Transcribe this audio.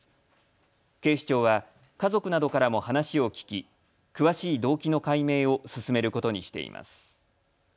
警視庁は家族などからも話を聞き詳しい動機の解明を進めることにしています。